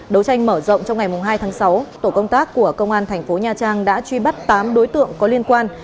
đấu tranh mở rộng trong ngày hai tháng sáu tổ công tác của công an thành phố nha trang đã truy bắt tám đối tượng có liên quan